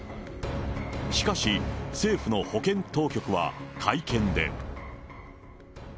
しかし、政府の保健当局は会見で。